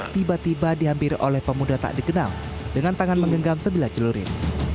tiba tiba dihampiri oleh pemuda tak dikenal dengan tangan menggenggam sebelah celurit